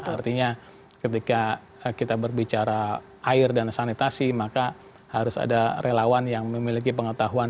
artinya ketika kita berbicara air dan sanitasi maka harus ada relawan yang memiliki pengetahuan